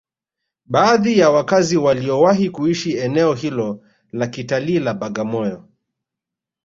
Baadhi ya wakazi waliowahi kuishi eneo hilo la kitalii la Bagamoyo